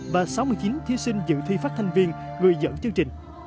và sáu mươi chín thí sinh dự thi phát thanh viên người dẫn chương trình